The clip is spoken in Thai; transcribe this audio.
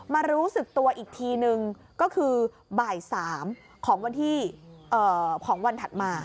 รู้สึกตัวอีกทีนึงก็คือบ่าย๓ของวันถัดมา